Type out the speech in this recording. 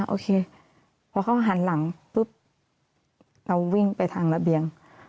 โอเคพอเขาหันหลังปุ๊บเราวิ่งไปทางระเบียง